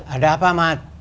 ada apa mat